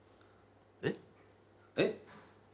えっ？えっ？